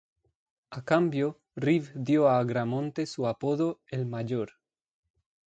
A cambio, Reeve dio a Agramonte su apodo: "El Mayor".